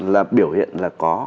là biểu hiện là có